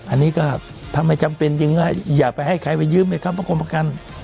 อันนี้ก็ถ้าไม่จำเป็นจริงก็อย่าไปให้ใครไปยืมไหมครับประคมประกัน